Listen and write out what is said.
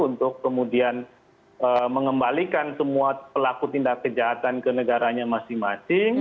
untuk kemudian mengembalikan semua pelaku tindak kejahatan ke negaranya masing masing